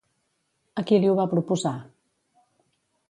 A qui li ho va proposar?